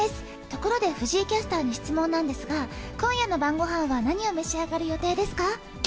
ところで藤井キャスターに質問なんですが、今夜の晩ごはんは、何を召し上がる予定ですか？